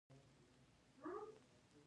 د پله له پاسه ولاړ پیره دار عسکر ته مې وکتل.